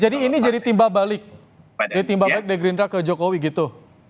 jadi ini jadi timba balik jadi timba balik dari gerindra ke jokowi gitu